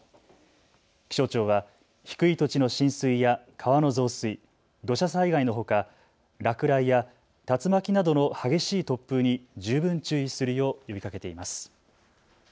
気象庁は低い土地の浸水や川の増水、土砂災害のほか落雷や竜巻などの激しい突風に十分注意するよう呼びかけています。